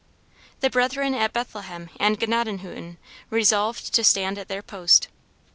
The Brethren at Bethlehem and Gnadenhutten resolved to stand at their post.